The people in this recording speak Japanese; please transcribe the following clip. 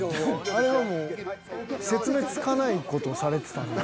あれはもう説明つかない事されてたんで。